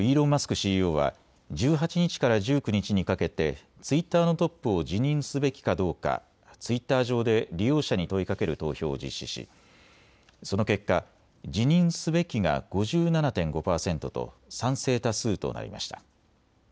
ＣＥＯは１８日から１９日にかけてツイッターのトップを辞任すべきかどうかツイッター上で利用者に問いかける投票を実施しその結果、辞任すべきが５７．５％と賛成多数となりました。